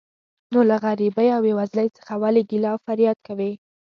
نو له غریبۍ او بې وزلۍ څخه ولې ګیله او فریاد کوې.